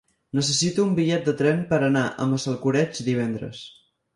Necessito un bitllet de tren per anar a Massalcoreig divendres.